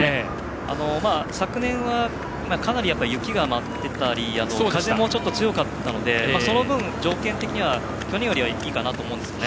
昨年はかなり雪が舞ってたり風もちょっと強かったのでその分、条件的には去年よりはいいかなと思うんですよね。